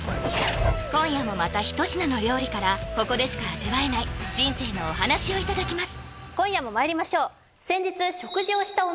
今夜もまた一品の料理からここでしか味わえない人生のお話をいただきます